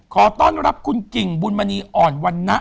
ขอต้อนรับคุณกิ่งบุญมณีอ่อนวันนะ